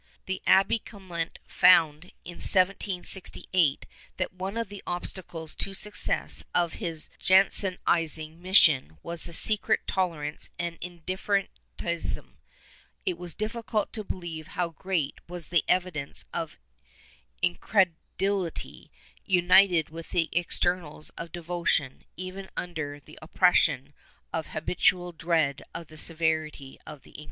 ^ The Abbe Clement found, in 1768, that one of the obstacles to the success of his Jansenizing mission was the secret tolerance and indifferentism ; it was difficult to believe how great were the evidences of incred ulity, united with all the externals of devotion, even under the oppression of habitual dread of the severity of the Inquisition.